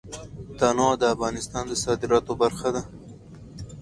تنوع د افغانستان د صادراتو برخه ده.